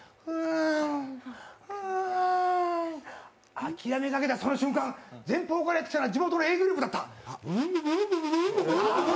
諦めかけたその瞬間前方から来たのは地元のＡグループだった。